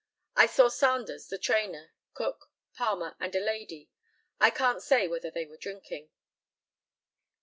I saw Sandars, the trainer, Cook, Palmer, and a lady. I can't say whether they were drinking.